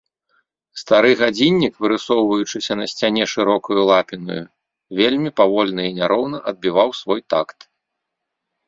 Стары гадзіннік, вырысоўваючыся на сцяне шырокаю лапінаю, вельмі павольна і няроўна адбіваў свой такт.